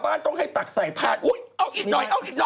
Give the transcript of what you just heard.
ใบเลขอะไรดูเปลี่ยงเหรอ